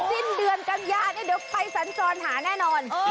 สิ้นเดือนกันยาเนี่ยเดี๋ยวไปสัญจรหาแน่นอน